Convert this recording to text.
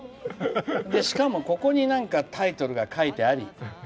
しかも、ここになんかタイトルが書いてあり。